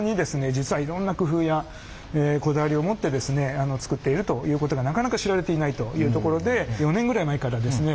実はいろんな工夫やこだわりを持ってですね作っているということがなかなか知られていないというところで４年ぐらい前からですね